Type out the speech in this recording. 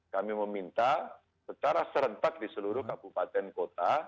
kami meminta secara serentak di seluruh kabupaten kota